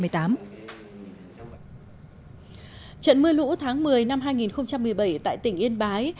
trận mưa lũ tháng một mươi năm hai nghìn một mươi bảy tại tỉnh yên bái